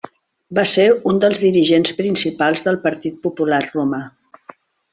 Va ser un dels dirigents principals del partit popular romà.